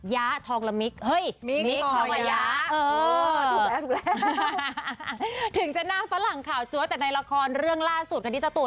ยาทองละมิกเฮ้ย